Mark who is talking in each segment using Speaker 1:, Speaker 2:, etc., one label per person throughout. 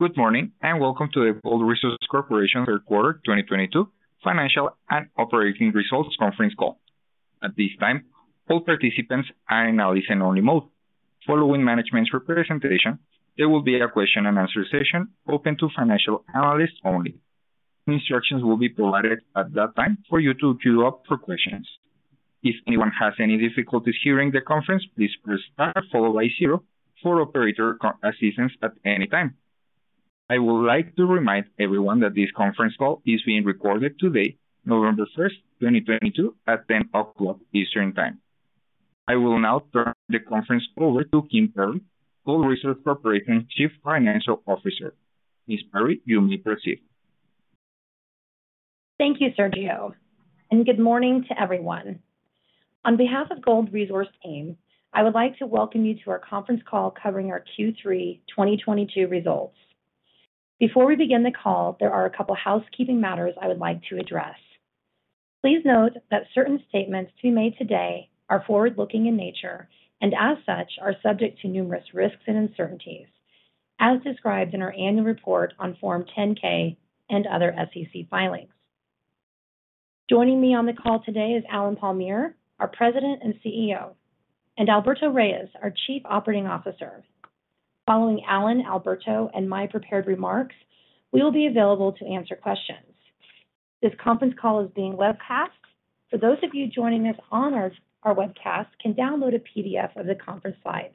Speaker 1: Good morning, and welcome to the Gold Resource Corporation Third Quarter 2022 Financial and Operating Results Conference Call. At this time, all participants are in listen-only mode. Following management's presentation, there will be a question and answer session open to financial analysts only. Instructions will be provided at that time for you to queue up for questions. If anyone has any difficulties hearing the conference, please press star followed by zero for operator assistance at any time. I would like to remind everyone that this conference call is being recorded today, November 1st, 2022 at 10:00 A.M. Eastern Time. I will now turn the conference over to Kimberly Perry, Gold Resource Corporation Chief Financial Officer. Ms. Perry, you may proceed.
Speaker 2: Thank you, Sergio, and good morning to everyone. On behalf of Gold Resource team, I would like to welcome you to our conference call covering our Q3 2022 results. Before we begin the call, there are a couple housekeeping matters I would like to address. Please note that certain statements to be made today are forward-looking in nature and, as such, are subject to numerous risks and uncertainties, as described in our annual report on Form 10-K and other SEC filings. Joining me on the call today is Allen Palmiere, our President and CEO, and Alberto Reyes, our Chief Operating Officer. Following Allen, Alberto, and my prepared remarks, we will be available to answer questions. This conference call is being webcast. For those of you joining us on our webcast, can download a PDF of the conference slides.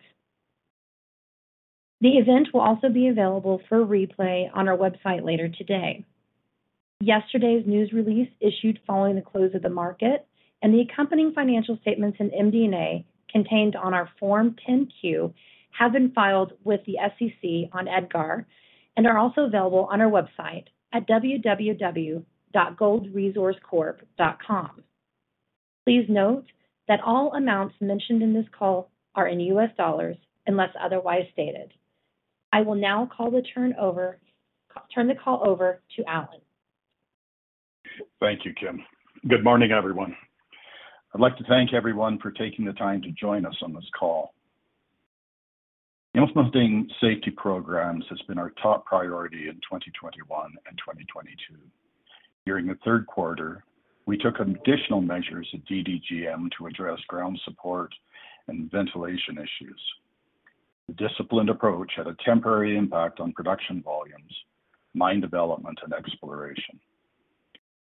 Speaker 2: The event will also be available for replay on our website later today. Yesterday's news release issued following the close of the market and the accompanying financial statements in MD&A contained on our Form 10-Q have been filed with the SEC on EDGAR and are also available on our website at www.goldresourcecorp.com. Please note that all amounts mentioned in this call are in U.S. dollars, unless otherwise stated. I will now turn the call over to Allen.
Speaker 3: Thank you, Kim. Good morning, everyone. I'd like to thank everyone for taking the time to join us on this call. The health and safety programs has been our top priority in 2021 and 2022. During the third quarter, we took additional measures at DDGM to address ground support and ventilation issues. The disciplined approach had a temporary impact on production volumes, mine development, and exploration.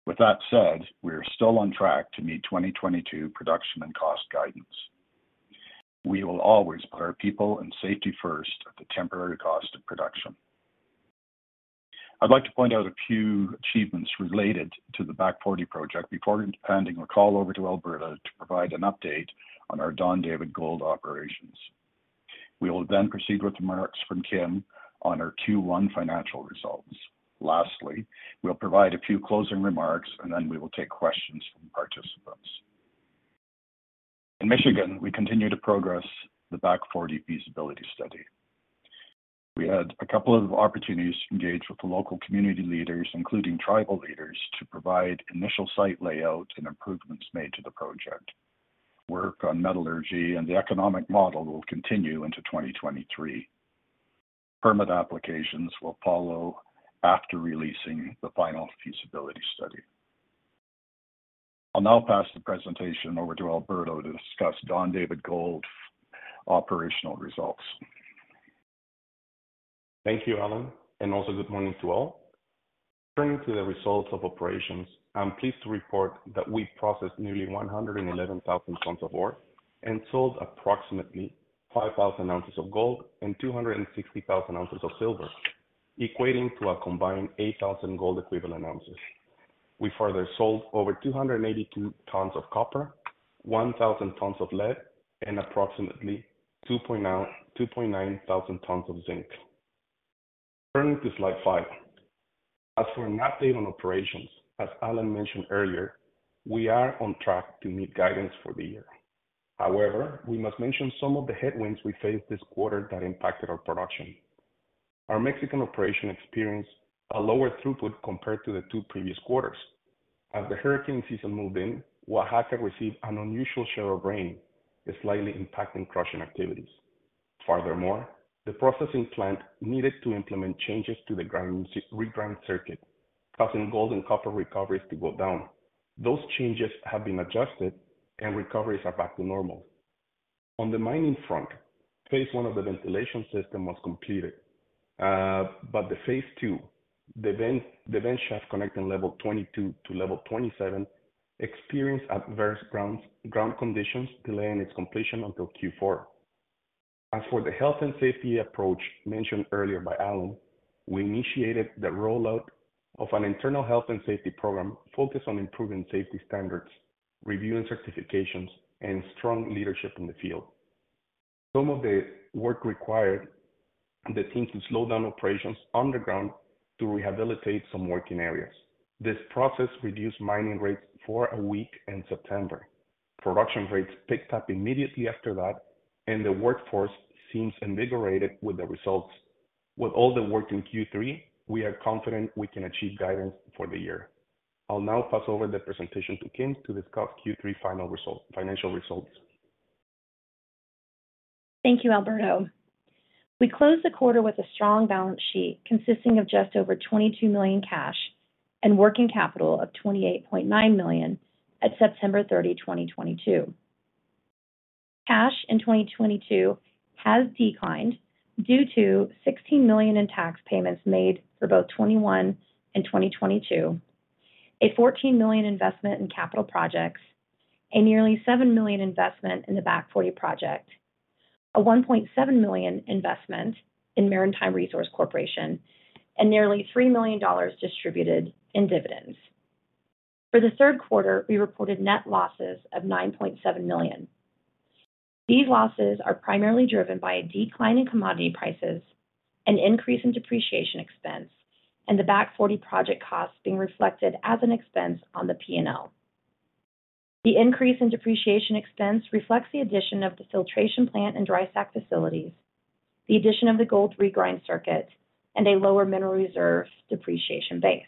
Speaker 3: With that said, we are still on track to meet 2022 production and cost guidance. We will always put our people and safety first at the temporary cost of production. I'd like to point out a few achievements related to the Back Forty project before handing the call over to Alberto to provide an update on our Don David Gold operations. We will then proceed with remarks from Kim on our Q1 financial results. Lastly, we'll provide a few closing remarks, and then we will take questions from participants. In Michigan, we continue to progress the Back Forty feasibility study. We had a couple of opportunities to engage with the local community leaders, including tribal leaders, to provide initial site layout and improvements made to the project. Work on metallurgy and the economic model will continue into 2023. Permit applications will follow after releasing the final feasibility study. I'll now pass the presentation over to Alberto to discuss Don David Gold Mine operational results.
Speaker 4: Thank you, Allen, and also good morning to all. Turning to the results of operations, I'm pleased to report that we processed nearly 111,000 tons of ore and sold approximately 5,000 oz of gold and 260,000 oz of silver, equating to a combined 8,000 gold equivalent ounce. We further sold over 282 tons of copper, 1,000 tons of lead, and approximately 2,900 tons of zinc. Turning to slide five. As for an update on operations, as Allen mentioned earlier, we are on track to meet guidance for the year. However, we must mention some of the headwinds we faced this quarter that impacted our production. Our Mexican operation experienced a lower throughput compared to the two previous quarters. As the hurricane season moved in, Oaxaca received an unusual share of rain, slightly impacting crushing activities. Furthermore, the processing plant needed to implement changes to the regrind circuit, causing gold and copper recoveries to go down. Those changes have been adjusted and recoveries are back to normal. On the mining front, phase I of the ventilation system was completed, but phase II, the vent shaft connecting level 22 to level 27, experienced adverse ground conditions, delaying its completion until Q4. As for the health and safety approach mentioned earlier by Allen, we initiated the rollout of an internal health and safety program focused on improving safety standards, reviewing certifications, and strong leadership in the field. Some of the work required the team to slow down operations underground to rehabilitate some working areas. This process reduced mining rates for a week in September. Production rates picked up immediately after that, and the workforce seems invigorated with the results. With all the work in Q3, we are confident we can achieve guidance for the year. I'll now pass over the presentation to Kim to discuss Q3 final result, financial results.
Speaker 2: Thank you, Alberto. We closed the quarter with a strong balance sheet consisting of just over $22 million cash and working capital of $28.9 million at September 30, 2022. Cash in 2022 has declined due to $16 million in tax payments made for both 2021 and 2022, a $14 million investment in capital projects, a nearly $7 million investment in the Back Forty Project, a $1.7 million investment in Maritime Resources Corporation, and nearly $3 million distributed in dividends. For the third quarter, we reported net losses of $9.7 million. These losses are primarily driven by a decline in commodity prices, an increase in depreciation expense, and the Back Forty Project costs being reflected as an expense on the P&L. The increase in depreciation expense reflects the addition of the filtration plant and dry stack facilities, the addition of the gold regrind circuit, and a lower mineral reserve depreciation base.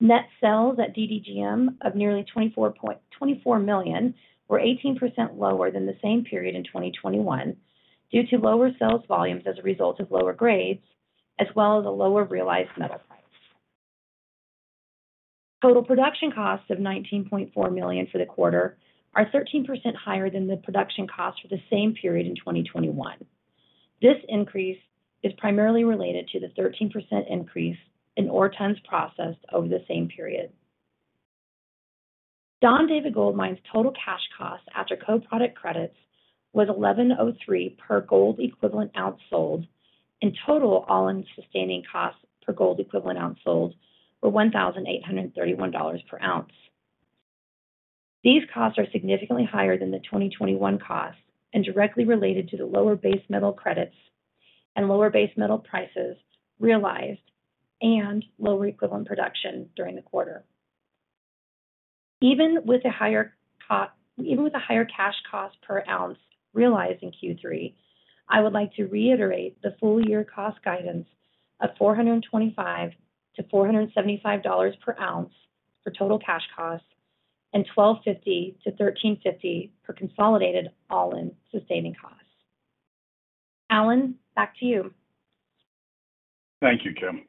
Speaker 2: Net sales at DDGM of nearly $24 million were 18% lower than the same period in 2021 due to lower sales volumes as a result of lower grades, as well as a lower realized metal price. Total production costs of $19.4 million for the quarter are 13% higher than the production cost for the same period in 2021. This increase is primarily related to the 13% increase in ore tons processed over the same period. Don David Gold Mine's total cash cost after co-product credits was $1,103 per gold equivalent ounce sold. In total, all-in sustaining costs per gold equivalent ounce sold were $1,831 per ounce. These costs are significantly higher than the 2021 costs and directly related to the lower base metal credit and lower base metal prices realized and lower equivalent production during the quarter. Even with a higher cash cost per ounce realized in Q3, I would like to reiterate the full year cost guidance of $425-$475 per ounce for total cash costs and $1,250-$1,350 per consolidated all-in sustaining costs. Allen, back to you.
Speaker 3: Thank you, Kim.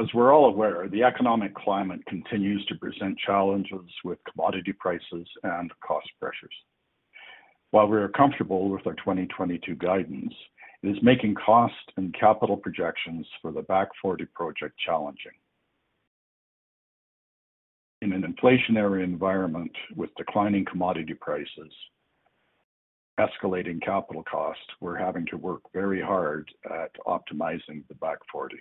Speaker 3: As we're all aware, the economic climate continues to present challenges with commodity prices and cost pressures. While we are comfortable with our 2022 guidance, it is making cost and capital projections for the Back Forty Project challenging. In an inflationary environment with declining commodity prices, escalating capital costs we're having to work very hard at optimizing the Back Forty.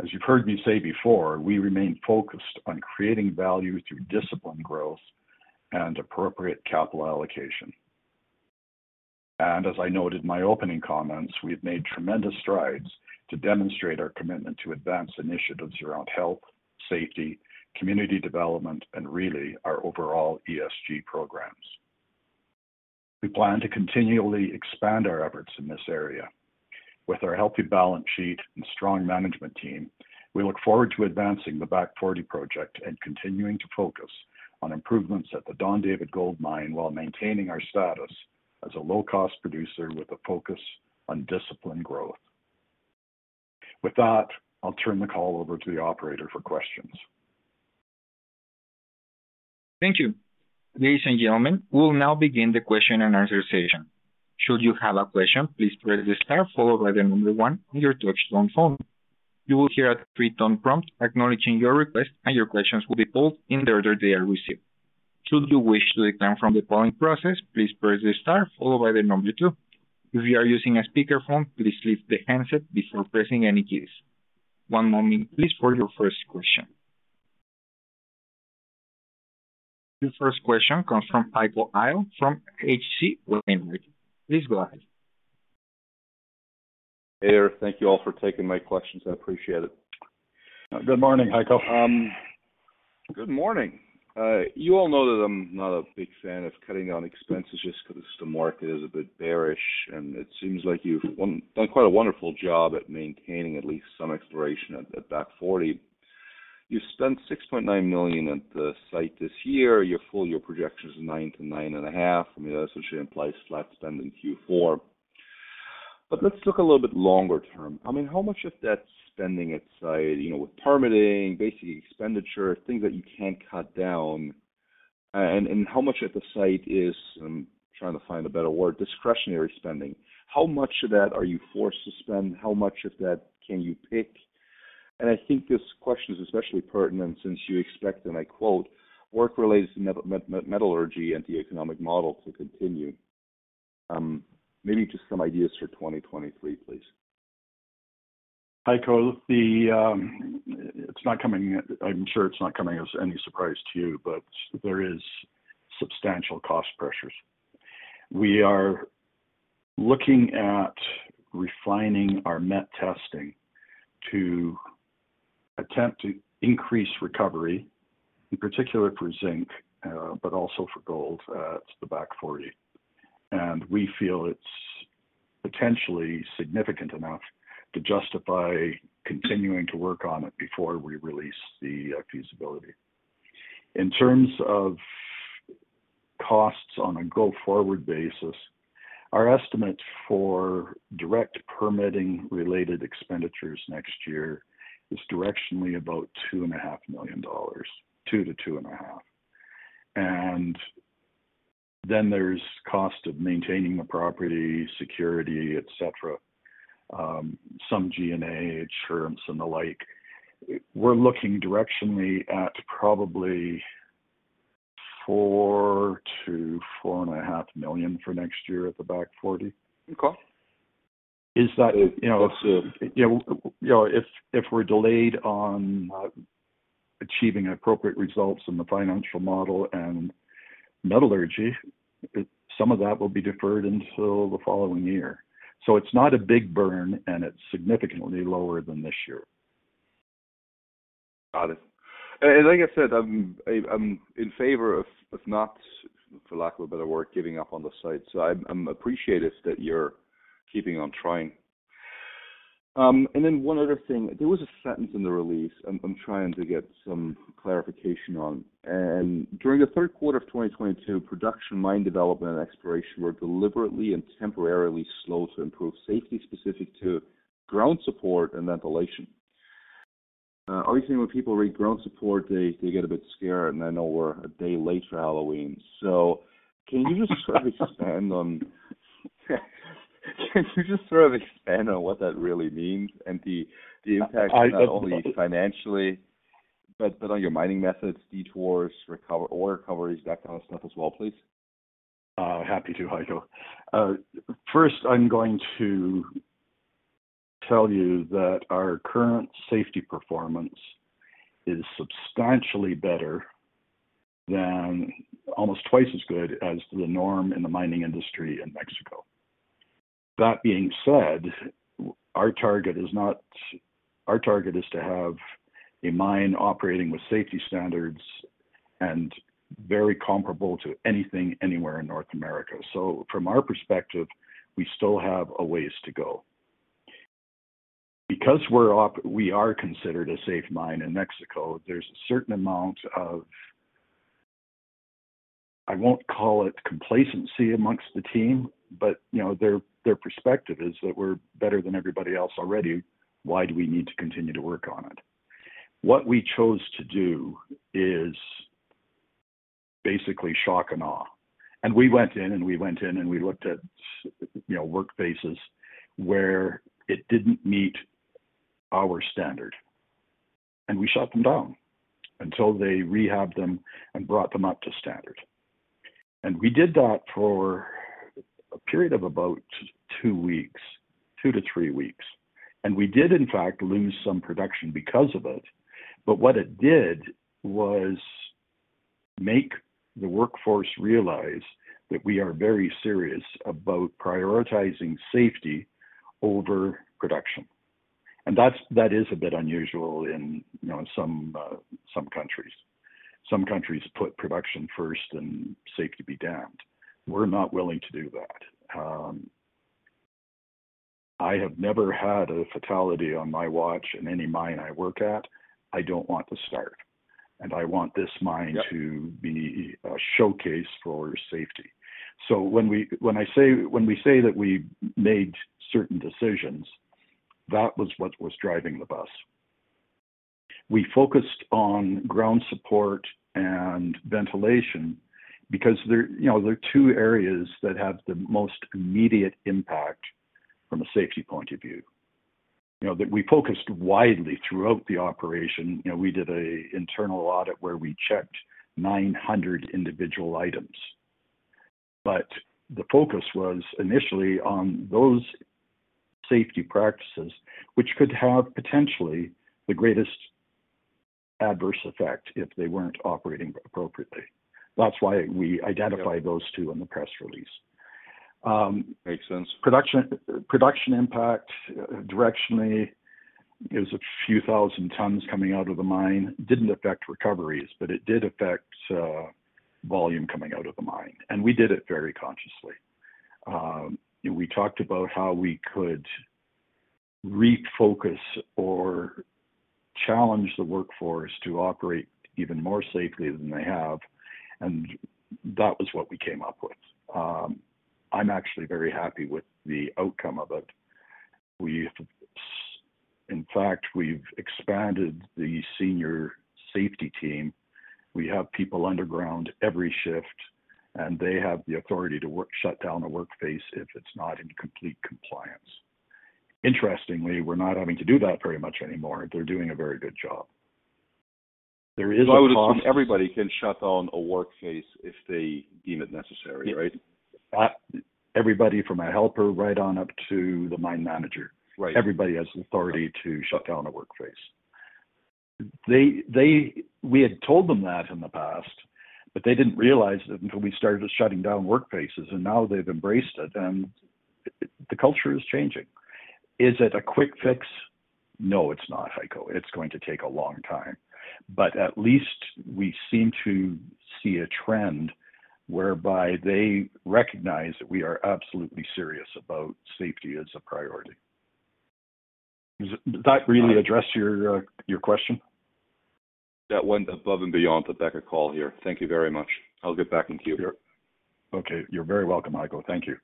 Speaker 3: As you've heard me say before, we remain focused on creating value through disciplined growth and appropriate capital allocation. And as I noted in my opening comments, we have made tremendous strides to demonstrate our commitment to advance initiatives around health, safety, community development, and really our overall ESG programs. We plan to continually expand our efforts in this area. With our healthy balance sheet and strong management team, we look forward to advancing the Back Forty Project and continuing to focus on improvements at the Don David Gold Mine while maintaining our status as a low-cost producer with a focus on disciplined growth. With that, I'll turn the call over to the operator for questions.
Speaker 1: Thank you. Ladies and gentlemen, we'll now begin the question and answer session. Should you have a question, please press star followed by the number one on your touch tone phone. You will hear a three-tone prompt acknowledging your request, and your questions will be pulled in the order they are received. Should you wish to withdraw from the polling process, please press star followed by the number two. If you are using a speakerphone, please lift the handset before pressing any keys. One moment please for your first question. Your first question comes from Heiko Ihle from H.C. Wainwright & Co. Please go ahead.
Speaker 5: Hey there. Thank you all for taking my questions. I appreciate it.
Speaker 3: Good morning, Heiko.
Speaker 5: Good morning. You all know that I'm not a big fan of cutting down expenses just 'cause the market is a bit bearish, and it seems like you've done quite a wonderful job at maintaining at least some exploration at Back Forty. You've spent $6.9 million at the site this year. Your full-year projection is $9-$9.5 million. I mean, that essentially implies flat spend in Q4. Let's look a little bit longer term. I mean, how much of that spending at site, you know, with permitting, basic expenditure, things that you can't cut down, and how much at the site is, I'm trying to find a better word, discretionary spending? How much of that are you forced to spend? How much of that can you pick? I think this question is especially pertinent since you expect, and I quote, "Work related to metallurgy and the economic model to continue." Maybe just some ideas for 2023, please.
Speaker 3: Heiko, the, it's not coming, I'm sure it's not coming as any surprise to you, but there is substantial cost pressures. We are looking at refining our met testing to attempt to increase recovery, in particular for zinc, but also for gold at the Back Forty. And, we feel it's potentially significant enough to justify continuing to work on it before we release the feasibility. In terms of costs on a go-forward basis, our estimate for direct permitting related expenditures next year is directionally about $2.5 million, $2-$2.5 million. And then there's cost of maintaining the property, security, et cetera, some G&A, insurance, and the like. We're looking directionally at probably $4-$4.5 million for next year at the Back Forty.
Speaker 5: Okay.
Speaker 3: Is that, you know, if we're delayed on achieving appropriate results in the financial model and metallurgy, some of that will be deferred until the following year. It's not a big burn, and it's significantly lower than this year.
Speaker 5: Got it. Like I said, I'm in favor of not, for lack of a better word, giving up on the site. I'm appreciative that you're keeping on trying. And then one other thing, there was a sentence in the release I'm trying to get some clarification on. During the third quarter of 2022, production mine development and exploration were deliberately and temporarily slow to improve safety specific to ground support and ventilation. Obviously when people read ground support, they get a bit scared, and I know we're a day late for Halloween. Can you just sort of expand on what that really means and the impact not only financially, but on your mining methods, detours, ore recoveries, that kind of stuff as well, please?
Speaker 3: Happy to, Heiko. First, I'm going to tell you that our current safety performance is substantially better than almost twice as good as the norm in the mining industry in Mexico. That being said, our target is to have a mine operating with safety standards and very comparable to anything anywhere in North America. From our perspective, we still have a ways to go. Because we are considered a safe mine in Mexico, there's a certain amount of, I won't call it complacency amongst the team, but you know, their perspective is that we're better than everybody else already. Why do we need to continue to work on it? What we chose to do is basically shock and awe. We went in and we looked at, you know, work bases where it didn't meet our standard, and we shut them down until they rehabbed them and brought them up to standard. We did that for a period of about two weeks, two to three weeks. We did in fact lose some production because of it. What it did was make the workforce realize that we are very serious about prioritizing safety over production. That's, that is a bit unusual in, you know, in some countries. Some countries put production first and safety be damned. We're not willing to do that. I have never had a fatality on my watch in any mine I work at. I don't want to start, and I want this mine.
Speaker 5: Yep
Speaker 3: To be a showcase for safety. When we say that we made certain decisions, that was what was driving the bus. We focused on ground support and ventilation because they're, you know, they're two areas that have the most immediate impact from a safety point of view. You know, that we focused widely throughout the operation. You know, we did an internal audit where we checked 900 individual items. But the focus was initially on those safety practices, which could have potentially the greatest adverse effect if they weren't operating appropriately. That's why we identified those two in the press release.
Speaker 5: Makes sense.
Speaker 3: Production impact directionally is a few thousand tons coming out of the mine. Didn't affect recoveries, but it did affect volume coming out of the mine, and we did it very consciously. We talked about how we could refocus or challenge the workforce to operate even more safely than they have, and that was what we came up with. I'm actually very happy with the outcome of it. In fact, we've expanded the senior safety team. We have people underground every shift, and they have the authority to shut down a workspace if it's not in complete compliance. Interestingly, we're not having to do that very much anymore. They're doing a very good job. There is a cost.
Speaker 5: I would assume everybody can shut down a workspace if they deem it necessary, right?
Speaker 3: Everybody from a helper right on up to the mine manager.
Speaker 5: Right.
Speaker 3: Everybody has authority to shut down a workspace. We had told them that in the past, but they didn't realize it until we started shutting down workspaces, and now they've embraced it and the culture is changing. Is it a quick fix? No, it's not, Heiko. It's going to take a long time. But at least we seem to see a trend whereby they recognize that we are absolutely serious about safety as a priority. Does that really address your question?
Speaker 5: That went above and beyond the better call here. Thank you very much. I'll get back in queue here.
Speaker 3: Okay. You're very welcome, Heiko. Thank you.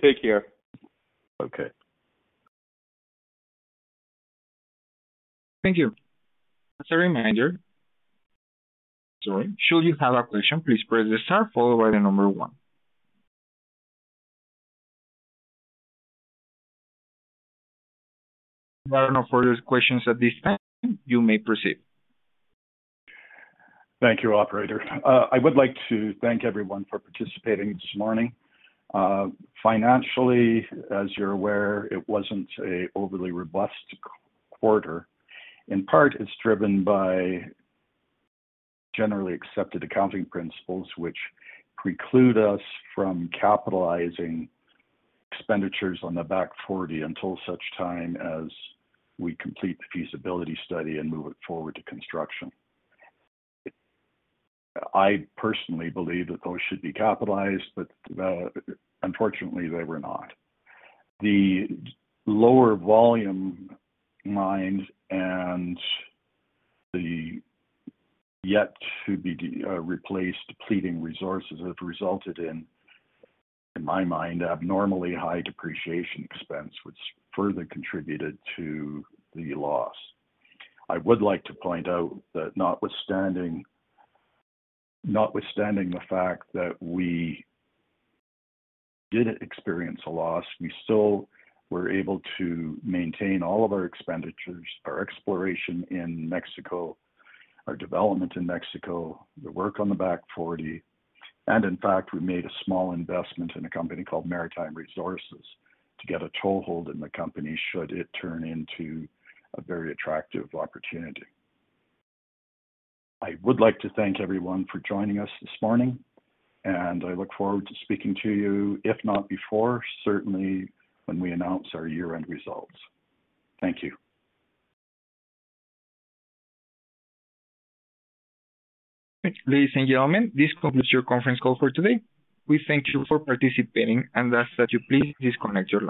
Speaker 3: Take care.
Speaker 5: Okay.
Speaker 1: Thank you. As a reminder. Sorry. Should you have a question, please press star followed by the number one. There are no further questions at this time. You may proceed.
Speaker 3: Thank you, operator. I would like to thank everyone for participating this morning. Financially, as you're aware, it wasn't an overly robust quarter. In part, it's driven by generally accepted accounting principles, which preclude us from capitalizing expenditures on the Back Forty until such time as we complete the feasibility study and move it forward to construction. I personally believe that those should be capitalized, but, unfortunately, they were not. The lower volume mines and the yet to be replaced depleting resources have resulted in my mind, abnormally high depreciation expenses, which further contributed to the loss. I would like to point out that notwithstanding the fact that we did experience a loss, we still were able to maintain all of our expenditures, our exploration in Mexico, our development in Mexico, the work on the Back Forty. In fact, we made a small investment in a company called Maritime Resources to get a toehold in the company should it turn into a very attractive opportunity. I would like to thank everyone for joining us this morning, and I look forward to speaking to you, if not before, certainly when we announce our year-end results. Thank you.
Speaker 1: Thanks. Ladies and gentlemen, this concludes your conference call for today. We thank you for participating and ask that you please disconnect your lines.